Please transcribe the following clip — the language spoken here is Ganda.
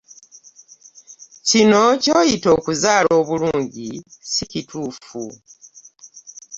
Kino ky'oyita okuzaala obulungi si kituufu.